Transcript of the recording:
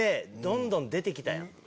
どんどん出て来たやん。